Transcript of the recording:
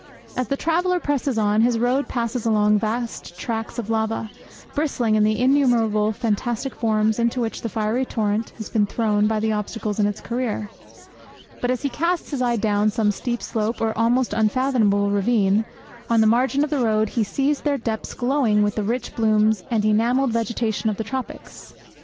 As the traveller presses on, his road passes along vast tracts of lava, bristling in the innumerable fantastic forms into which the fiery torrent has been thrown by the obstacles in its career. But as he casts his eye down some steep slope, or almost unfathomable ravine, on the margin of the road, he sees their depths glowing with the rich blooms and enamelled vegetation of the tropics.